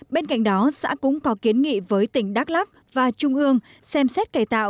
bên cạnh đó xã cũng có kiến nghị với tỉnh đắk lắc và trung ương xem xét cài tạo